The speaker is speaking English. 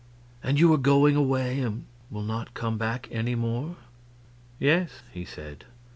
"And you are going away, and will not come back any more?" "Yes," he said.